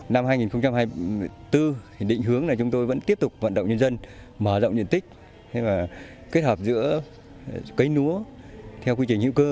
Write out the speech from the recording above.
năm hai nghìn hai mươi bốn định hướng là chúng tôi vẫn tiếp tục vận động nhân dân mở rộng diện tích kết hợp giữa cấy lúa theo quy trình hữu cơ